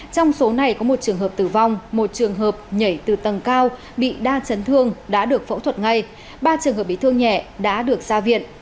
trong số này có một trường hợp tử vong một trường hợp nhảy từ tầng cao bị đa chấn thương đã được phẫu thuật ngay ba trường hợp bị thương nhẹ đã được ra viện